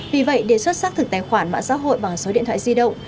vì vậy đề xuất xác thực tài khoản mạng xã hội bằng số điện thoại di động